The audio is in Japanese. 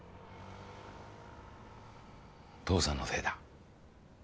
父さんのせいだ。